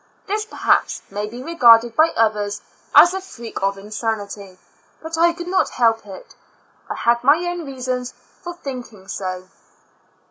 This, perhaps, may be regarded by others as a freak of insanity, but I could not help it — I had my own reasons for thinking so.